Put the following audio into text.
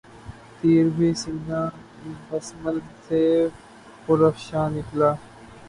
تیر بھی سینہٴ بسمل سے پر افشاں نکلا